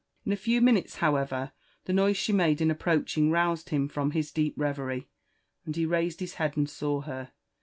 In a few minutes, however, the noise she made in approaching roused him from his deep reverie, and he raised hiis head and saw her.